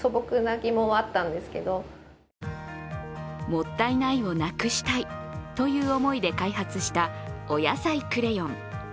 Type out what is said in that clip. もったいないをなくしたいという思いで開発したおやさいクレヨン。